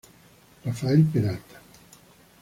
Rafael Peralta